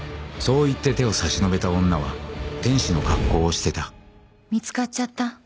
そう言って手を差し伸べた女は天使の格好をしてた見つかっちゃった。